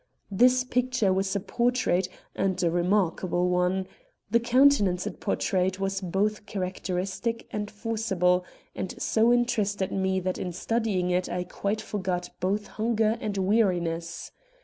This picture was a portrait, and a remarkable one. The countenance it portrayed was both characteristic and forcible, and so interested me that in studying it I quite forgot both hunger and weariness.